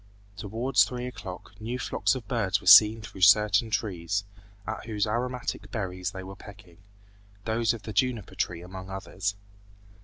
Towards three o'clock new flocks of birds were seen through certain trees, at whose aromatic berries they were pecking, those of the juniper tree among others.